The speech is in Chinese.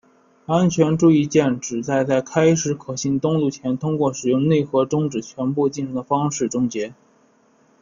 安全注意键旨在在开始可信登录前通过使内核终止全部进程的方式终结。